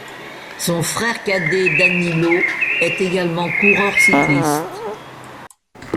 Son frère cadet Danilo est également coureur cycliste.